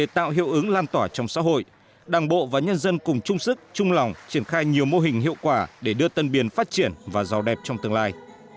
tạo hiệu ứng lan tỏa trong xã hội đảng bộ và nhân dân cùng chung sức chung lòng triển khai nhiều mô hình hiệu quả để đưa tân biên phát triển và giàu đẹp trong tương lai